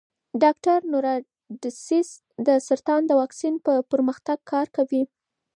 ډاکټر نورا ډسیس د سرطان د واکسین پر پرمختګ کار کوي.